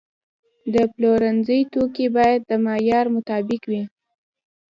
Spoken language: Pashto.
د پلورنځي توکي باید د معیار مطابق وي.